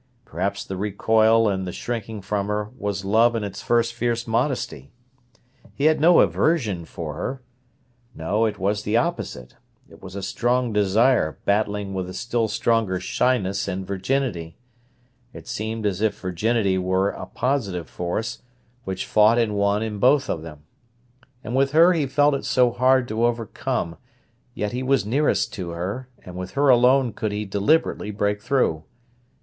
Perhaps the recoil and the shrinking from her was love in its first fierce modesty. He had no aversion for her. No, it was the opposite; it was a strong desire battling with a still stronger shyness and virginity. It seemed as if virginity were a positive force, which fought and won in both of them. And with her he felt it so hard to overcome; yet he was nearest to her, and with her alone could he deliberately break through.